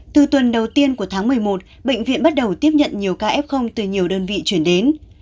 từ tuần đầu tiên của tháng một mươi một bệnh viện bắt đầu tiếp nhận nhiều ca f từ nhiều đơn vị chuyển đến